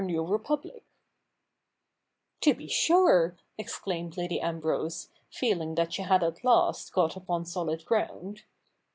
i] THE NEW REPUBLIC 187 ' To be sure/ exclaimed Lady Ambrose, feeling that she had at last got upon solid ground.